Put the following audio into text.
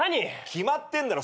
決まってんだろ。